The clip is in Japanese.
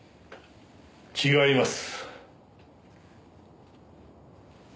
違います。